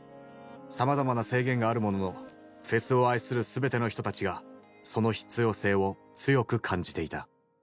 さまざまな制限があるもののフェスを愛する全ての人たちがその必要性を強く感じていた。